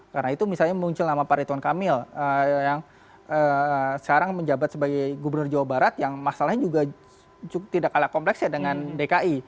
karena itu misalnya muncul nama pariton kamil yang sekarang menjabat sebagai gubernur jawa barat yang masalahnya juga tidak kalah kompleksnya dengan dki